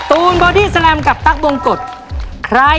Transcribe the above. แล้ววันนี้ผมมีสิ่งหนึ่งนะครับเป็นตัวแทนกำลังใจจากผมเล็กน้อยครับ